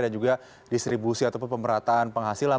dan juga distribusi ataupun pemerataan penghasilan